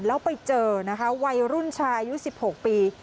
แล้วไปเจอนะคะวัยรุ่นชายอายุ๑๖ปี